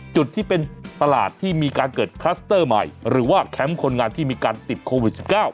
จุดที่เป็นตลาดที่มีการเกิดคลัสเตอร์ใหม่หรือว่าแคมป์คนงานที่มีการติดโควิด๑๙